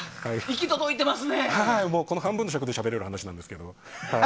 本来は半分の尺でしゃべれる話なんですけど。